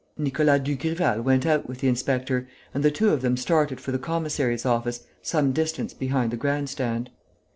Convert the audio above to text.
Nicolas Dugrival went out with the inspector; and the two of them started for the commissary's office, some distance behind the grand stand.